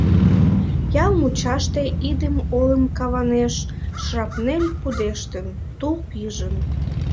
Ял мучаште идым олым каванеш шрапнель пудештын, тул пижын.